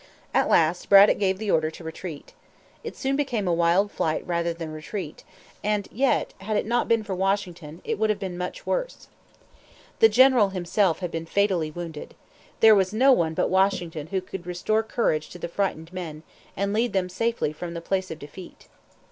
At last Braddock gave the order to retreat. It soon became a wild flight rather than a retreat; and yet, had it not been for Washington, it would have been much worse. The General himself had been fatally wounded. There was no one but Washington who could restore courage to the frightened men, and lead them safely from the place of defeat.